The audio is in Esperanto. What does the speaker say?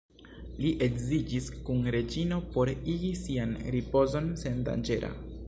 Li edziĝis kun Reĝino por igi sian ripozon sendanĝera.